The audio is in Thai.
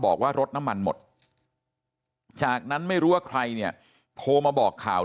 บอกว่ารถน้ำมันหมดจากนั้นไม่รู้ว่าใครเนี่ยโทรมาบอกข่าว